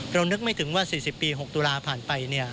เรานึกไม่ถึงว่า๔๐ปี๖ตุลาห์ผ่านไปเนี่ย